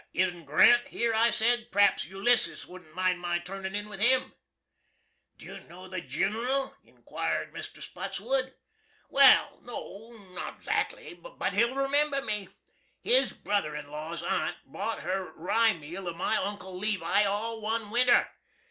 "Isn't Grant here?" I said. "Perhaps Ulyssis wouldn't mind my turnin' in with him." "Do you know the Gin'ral?" inquired Mr. Spotswood. "Wall, no, not 'zacky; but he'll remember me. His brother in law's Aunt bought her rye meal of my uncle Levi all one winter.